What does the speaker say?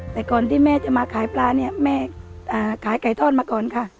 แต่ก่อนที่แม่จะมาขายปลาเนี่ยแม่ขายไก่ทอดมาก่อนค่ะ